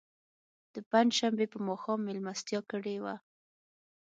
د پنج شنبې په ماښام میلمستیا کړې وه.